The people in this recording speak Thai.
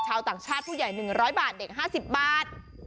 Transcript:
ชาวต่างชาติผู้ใหญ่๑๐๐บาทเด็ก๕๐บาท